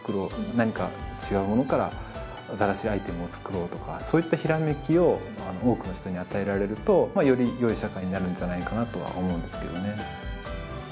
何か違うものから新しいアイテムを作ろう」とかそういったひらめきを多くの人に与えられるとよりよい社会になるんじゃないかなとは思うんですけどね。